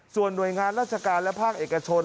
ส่วนโดยงานรัฐการณ์และภาคเอกชน